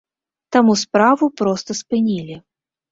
Таму справу проста спынілі.